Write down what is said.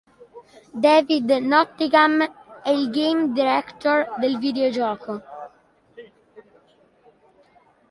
David Nottingham è il game director del videogioco.